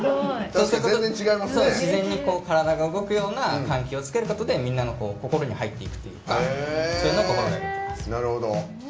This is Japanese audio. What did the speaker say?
自然に体が動くような緩急をつけることで、みんなの心に入っていくというかそういうのを心がけています。